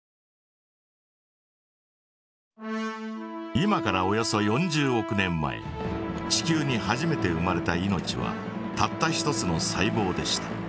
今からおよそ４０億年前地球に初めて生まれた命はたった一つの細ぼうでした。